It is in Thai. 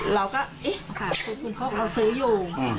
เราก็เอ๊ะ๐๐๖เราซื้ออยู่